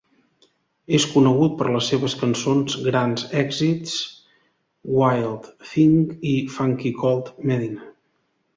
És conegut per les seves cançons grans èxits "Wild Thing" i "Funky Cold Medina".